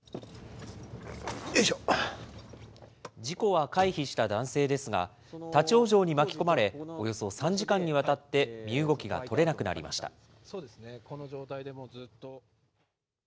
事故は回避した男性ですが、立往生に巻き込まれ、およそ３時間にわたって身動きが取れなくなりました。